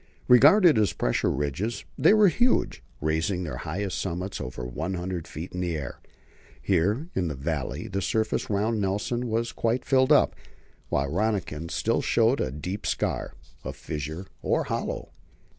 Regarded as pressure ridges they were huge, raising their highest summits over 100 feet in the air. Here in the valley the surface round Nelson was quite filled up, while Rönniken still showed a deep scar a fissure or hollow.